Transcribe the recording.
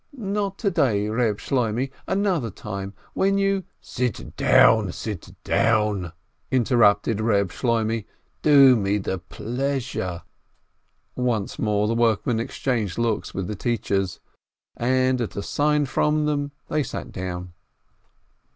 "Not to day, Eeb Shloimeh, another time, when you—" "Sit down, sit down !" interrupted Reb Shloimeh, "Do me the pleasure !" Once more the workmen exchanged looks with the teachers, and, at a sign from them, they sat down.